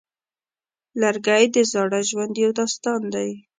لرګی د زاړه ژوند یو داستان دی.